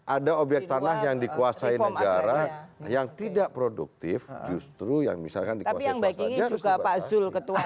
ada obyek tanah yang dikuasai negara yang tidak produktif justru yang misalkan dikuasai suatu anggaran harus dibatasi